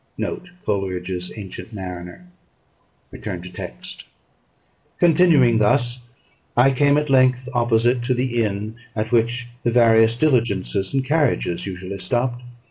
" [Footnote 1: Coleridge's "Ancient Mariner."] Continuing thus, I came at length opposite to the inn at which the various diligences and carriages usually stopped.